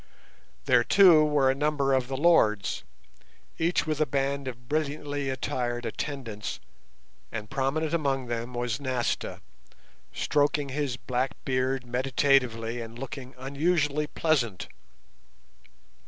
There, too, were a number of the lords, each with a band of brilliantly attired attendants, and prominent among them was Nasta, stroking his black beard meditatively and looking unusually pleasant.